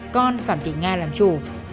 con phạm thị nga làm chủ